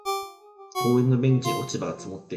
公園のベンチに落ち葉が積もっていた。